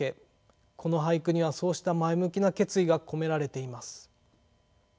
この俳句にはそうした前向きな決意が込められています。